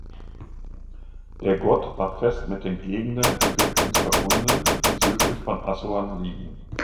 Der Gott war fest mit den Gegenden Ägyptens verbunden, die südlich von Assuan liegen.